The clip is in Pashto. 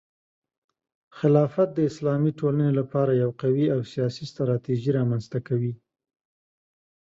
خلافت د اسلامي ټولنې لپاره یو قوي او سیاسي ستراتیژي رامنځته کوي.